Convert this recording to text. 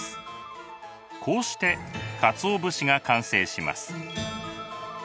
こうしてかつお節が完成します。